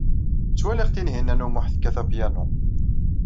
Ttwaliɣ Tinhinan u Muḥ tekkat apyanu.